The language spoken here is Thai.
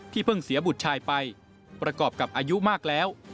เพิ่งเสียบุตรชายไปประกอบกับอายุมากแล้ว